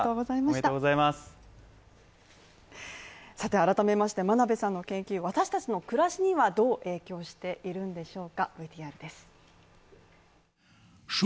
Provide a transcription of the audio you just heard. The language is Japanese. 改めまして真鍋さんの研究、私たちの暮らしにはどう影響しているんでしょうか。